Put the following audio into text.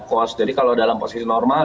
kos jadi kalau dalam posisi normal